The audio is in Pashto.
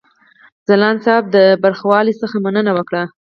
ځلاند صاحب د برخوالو څخه مننه وکړه.